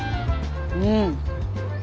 うん。